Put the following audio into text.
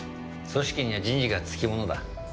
組織には人事がつきものだ。